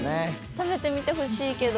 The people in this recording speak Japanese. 食べてみてほしいけど。